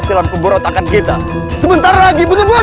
kujang kembar itu sedang dalam perjalanan